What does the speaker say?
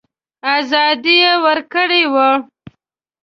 آزادي ورکړې وه.